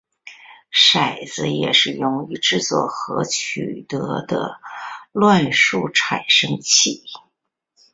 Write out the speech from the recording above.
骰子也是容易制作和取得的乱数产生器。